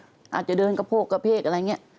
อาจจะเดินกระโพกกระเพกอะไรอย่างนี้